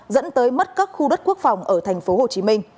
dẫn tới mất các khu đất quốc phòng ở tp hcm